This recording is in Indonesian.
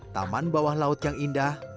taman bawah laut yang indah